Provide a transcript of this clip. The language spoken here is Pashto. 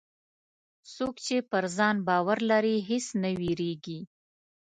څوک چې پر ځان باور لري، هېڅ نه وېرېږي.